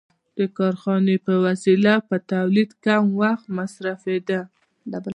د کارخانې په وسیله په تولید کم وخت مصرفېده